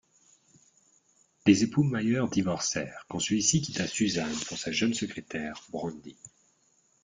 Les époux Mayer divorcèrent quand celui-ci quitta Susan pour sa jeune secrétaire, Brandi.